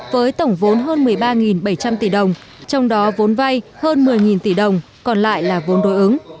với tổng vốn hơn một mươi ba bảy trăm linh tỷ đồng trong đó vốn vay hơn một mươi tỷ đồng còn lại là vốn đối ứng